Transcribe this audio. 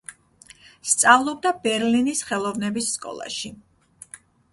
სწავლობდა ბერლინის ხელოვნების სკოლაში.